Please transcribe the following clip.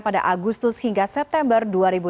pada agustus hingga september dua ribu dua puluh